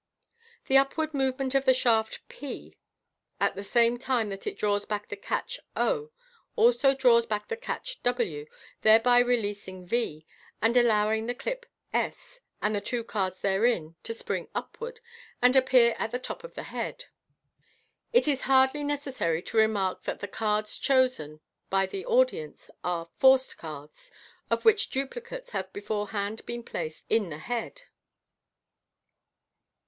The upward movement of the shaft p, at the same time Fig. 291, that it draws back the catch 0, also draws back the catch w, thereby releasing v, and allowing tne clip s and the two cards therein to spring upward, and appear at the top of the head. It is hardly necessary to remark that the cards chosen bv the MODERN MAGIC. 46. audit nee ?.f, forced" cards, of which duplicates have beforehand been placed a* the head.